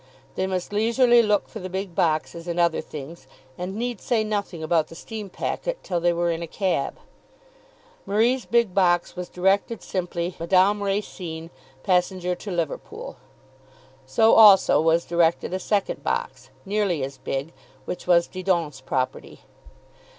They must leisurely look for the big boxes and other things, and need say nothing about the steam packet till they were in a cab. Marie's big box was directed simply "Madame Racine, Passenger to Liverpool;" so also was directed a second box, nearly as big, which was Didon's property.